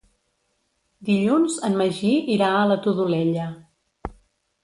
Dilluns en Magí irà a la Todolella.